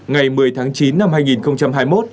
ngày một mươi tháng chín năm hai nghìn hai mươi một